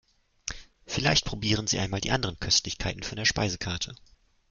Vielleicht probieren Sie einmal die anderen Köstlichkeiten von der Speisekarte.